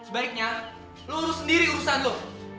sebaiknya lo urus sendiri urusan lo